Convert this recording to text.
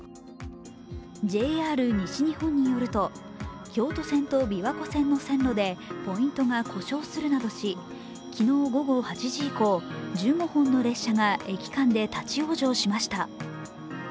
ＪＲ西日本によると、京都線と琵琶湖線の線路でポイントが故障するなどし昨日午後８時以降１５本の列車が駅間で立往生しました。